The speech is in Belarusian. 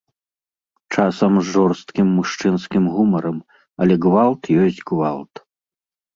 Часам з жорсткім мужчынскім гумарам, але гвалт ёсць гвалт.